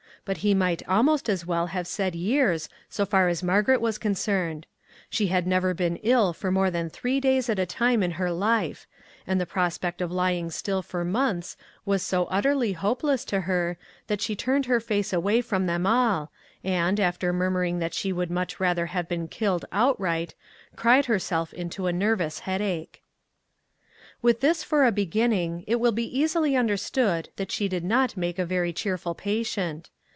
But he might almost as well have said years, so far as Margaret was con cerned. She had never been ill for more than three days at a time in her life; and the pros pect of lying still for months was so utterly hopeless to her, that she turned her face away from them all, and, after murmuring that she would much rather have been killed outright, cried herself into a nervous headache. 248 A HARD LESSON With this for a beginning, it will be easily understood that she did not make a .very cheer ful patient.